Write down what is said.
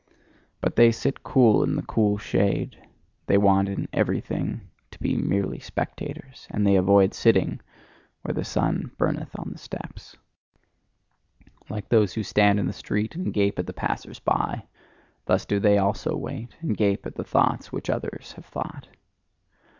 But they sit cool in the cool shade: they want in everything to be merely spectators, and they avoid sitting where the sun burneth on the steps. Like those who stand in the street and gape at the passers by: thus do they also wait, and gape at the thoughts which others have thought.